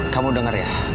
kamu denger ya